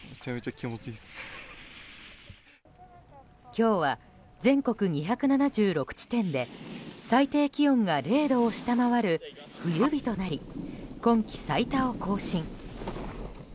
今日は全国２７６地点で最低気温が０度を下回る冬日となり、今季最多を更新。